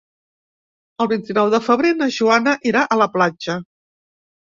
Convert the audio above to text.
El vint-i-nou de febrer na Joana irà a la platja.